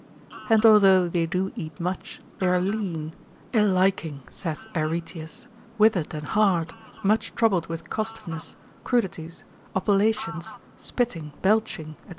And although they do eat much, yet they are lean, ill liking, saith Areteus, withered and hard, much troubled with costiveness, crudities, oppilations, spitting, belching, &c.